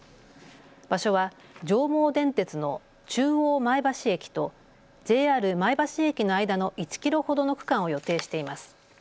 場所は上毛電鉄の中央前橋駅とＪＲ前橋駅の間の１キロほどの区間を予定しています。